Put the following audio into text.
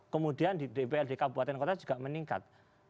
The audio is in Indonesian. kemudian di dpr di kabupaten kota juga meningkat